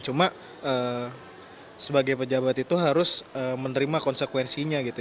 cuma sebagai pejabat itu harus menerima konsekuensinya gitu